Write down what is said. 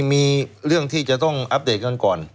มีเรื่องที่จะต้องอัปเดตกันก่อน